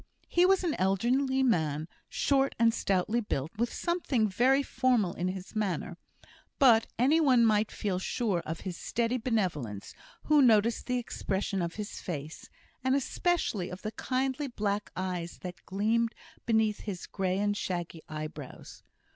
He was an elderly man, short and stoutly built, with something very formal in his manner; but any one might feel sure of his steady benevolence who noticed the expression of his face, and especially of the kindly black eyes that gleamed beneath his grey and shaggy eyebrows.